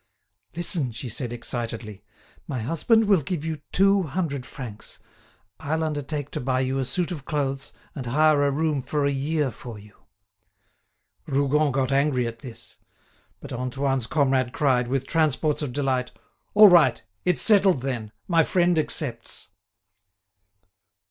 "Listen," she said, excitedly; "my husband will give you two hundred francs. I'll undertake to buy you a suit of clothes, and hire a room for a year for you." Rougon got angry at this. But Antoine's comrade cried, with transports of delight: "All right, it's settled, then; my friend accepts."